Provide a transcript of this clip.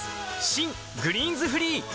新「グリーンズフリー」